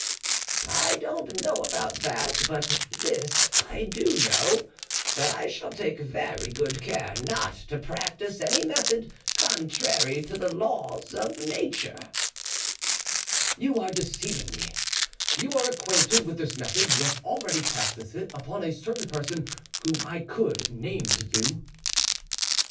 "I don't know about that, but this I do" know, that I shall take very good care not to practise any method contrary to the laws of nature." "You are deceiving me: you are acquainted with this method, you have already practised it upon a certain person whom I could name to you."